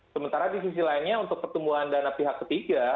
sementara di sisi lainnya untuk pertumbuhan dana pihak ketiga